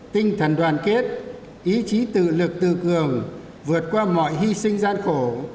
tinh thần đoàn kết ý chí tự lực tự cường vượt qua mọi hy sinh gian khổ